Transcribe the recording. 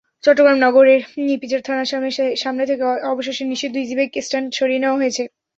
চট্টগ্রাম নগরের ইপিজেড থানার সামনে থেকে অবশেষে নিষিদ্ধ ইজিবাইক স্ট্যান্ড সরিয়ে নেওয়া হয়েছে।